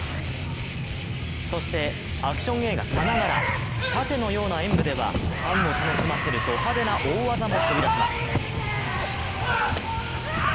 そしてアクション映画さながらたてのような演武ではファンを楽しませるド派手な大技も飛び出します。